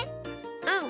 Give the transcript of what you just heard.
うん！